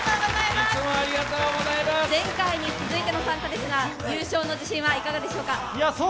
前回に続いての参加ですが優勝の自信はいかがですか？